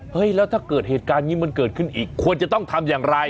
แล้วถ้าเกิดเหตุการณ์นี้มันเกิดขึ้นอีกควรจะต้องทำอย่างไร